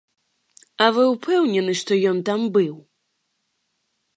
А вы ўпэўнены, што ён там быў?